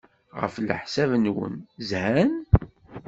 Ɣef leḥsab-nwen, zhan?